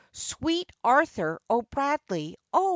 Sweet Arthur O'Bradley, O!